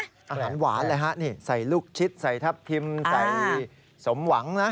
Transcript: อาหารหวานเลยฮะนี่ใส่ลูกชิดใส่ทับทิมใส่สมหวังนะ